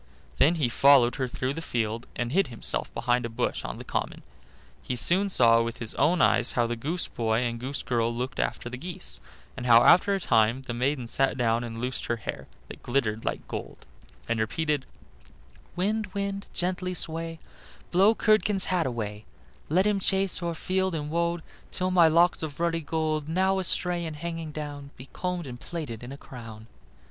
Then he followed her through the field, and hid himself behind a bush on the common. He soon saw with his own eyes how the goose boy and the goose girl looked after the geese, and how after a time the maiden sat down and loosed her hair, that glittered like gold, and repeated: "Wind, wind, gently sway, Blow Curdken's hat away; Let him chase o'er field and wold Till my locks of ruddy gold Now astray and hanging down, Be combed and plaited in a crown."